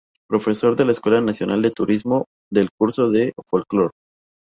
Profesor en la Escuela Nacional de Turismo del curso de folclore.